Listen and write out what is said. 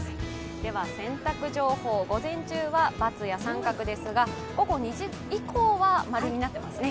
では洗濯情報、午前中は×や△ですが午後２時以降は○になっていますね。